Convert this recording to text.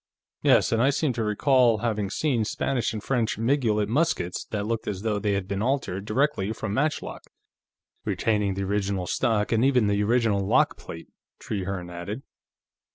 "Yes, and I seem to recall having seen Spanish and French miguelet muskets that looked as though they had been altered directly from matchlock, retaining the original stock and even the original lock plate," Trehearne added.